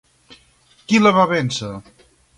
Qui la va vèncer?